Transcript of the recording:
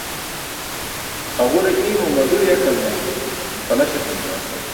Haġure i̇ymo madur yakalne talaś etum juwan.